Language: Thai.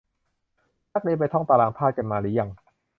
นักเรียนไปท่องตารางธาตุกันมาหรือยัง